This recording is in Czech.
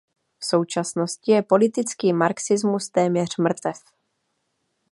V současnosti je politický marxismus téměř mrtev.